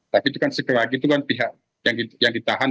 tapi itu kan sekali lagi itu kan pihak yang ditahan